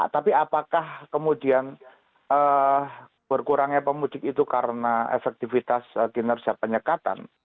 tapi apakah kemudian berkurangnya pemudik itu karena efektivitas kinerja penyekatan